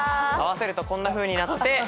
合わせるとこんなふうになって。